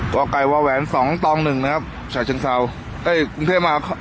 ก่อไก่วาแหวนสองตองหนึ่งนะครับฉะเชิงเซาเอ้ยกรุงเทพมา